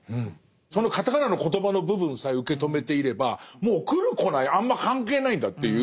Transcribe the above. そのカタカナのコトバの部分さえ受け止めていればもう来る来ないあんま関係ないんだっていう。